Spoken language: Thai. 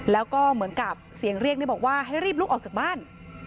แล้วก็เหมือนกับเสียงเรียกบอกว่าให้รีบลุกออกจากบ้าน